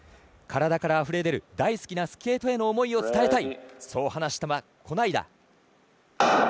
体からあふれ出る大好きなスケートへの思いを伝えたい、そう話した小平。